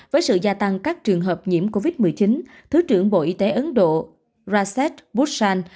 với sự gia tăng các trường hợp nhiễm covid một mươi chín thứ trưởng bộ y tế ấn độ raset bushan